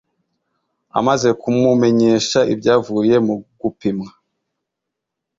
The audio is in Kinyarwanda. amaze kumumenyesha ibyavuye mu gupimwa